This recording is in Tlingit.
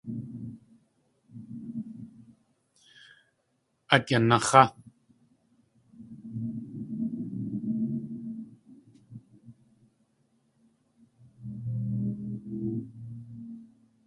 Át yanax̲á!